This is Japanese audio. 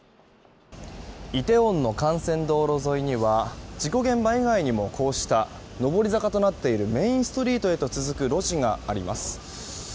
イテウォンの幹線道路沿いには事故現場以外にもこうした上り坂となっているメインストリートへと続く路地があります。